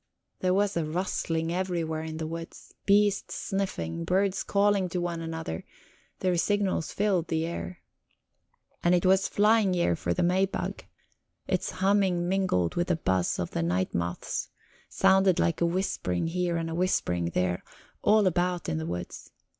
There was a rustling everywhere in the woods, beasts sniffing, birds calling one to another; their signals filled the air. And it was flying year for the Maybug; its humming mingled with the buzz of the night moths, sounded like a whispering here and a whispering there, all about in the woods.